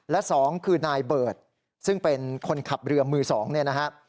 และ๒คือนายเบิร์ตซึ่งเป็นคนขับเรือมือ๒เนี่ยนะฮะ